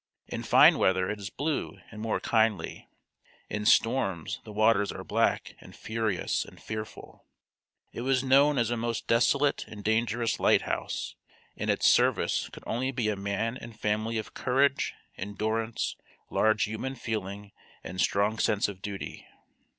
In fine weather it is blue and more kindly; in storms the waters are black and furious and fearful. It was known as a most desolate and dangerous lighthouse, and its service could be only a man and family of courage, endurance, large human feeling and strong sense of duty.